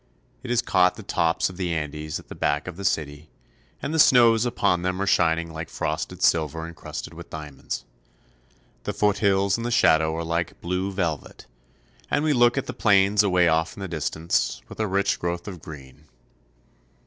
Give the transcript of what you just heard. It has caught the tops of the Andes at the back of the city, and the snows upon them are shining like frosted silver incrusted with diamonds. The foothills in the shadow are like blue velvet, and we look at the plains away off in the distance, with their rich growth of green. SANTIAGO.